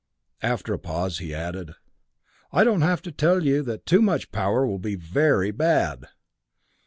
After a pause he added, "I don't have to tell you that too much power will be very bad!"